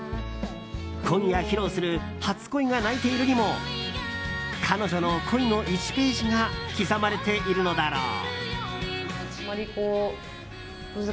今夜披露する「初恋が泣いている」にも彼女の恋の１ページが刻まれているのだろう。